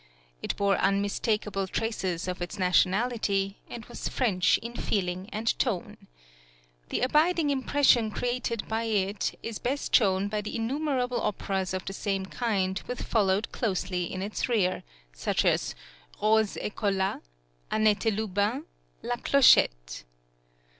It bore unmistakable traces of its nationality, and was French in feeling and tone. The abiding impression created by it is best shown by the innumerable operas of the same kind, which followed closely in its rear, such as "Rose et Colas," "Annette et Lubin," "La Clochette."